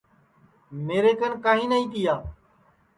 میرے کن کائیں نائی تیا